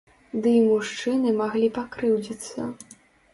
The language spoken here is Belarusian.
Ды і мужчыны маглі пакрыўдзіцца.